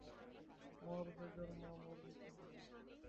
মর, বেজন্মা মমি কোথাকার!